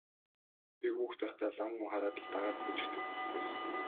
Би хүүхэд байхдаа лам хүн хараад л дагаад гүйчихдэг хүүхэд байсан.